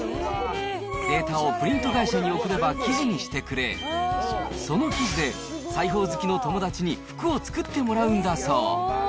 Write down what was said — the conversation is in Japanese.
データをプリント会社に送れば、生地にしてくれ、その生地で、裁縫好きの友達に服を作ってもらうんだそう。